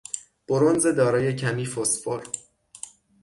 برنز دارای کمی فسفر